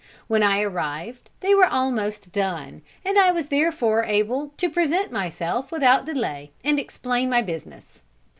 When I arrived, they were almost alone, and I was therefore able to present myself without delay, and explain my business.